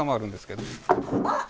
あっ！